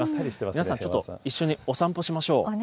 皆さん、ちょっと一緒にお散歩しましょう。